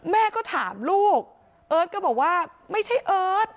แม่ก็ถามลูกเอิร์ทก็บอกว่าไม่ใช่เอิร์ท